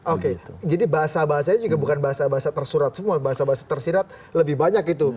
oke jadi bahasa bahasanya juga bukan bahasa bahasa tersurat semua bahasa bahasa tersirat lebih banyak itu